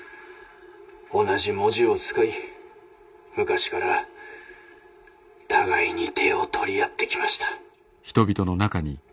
同じ文字を使い昔から互いに手を取り合ってきました」。